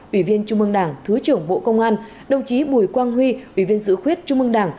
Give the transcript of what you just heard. ủy viên trung mương đảng thứ trưởng bộ công an đồng chí bùi quang huy ủy viên dự khuyết trung ương đảng